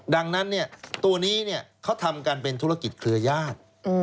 ดังนั้นเนี่ยตัวนี้เนี่ยเขาทำการเป็นธุรกิจเครืวยาต